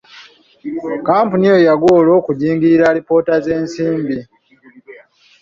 Kkampuni eyo yagwa olw'okujingirira alipoota z'ensimbi.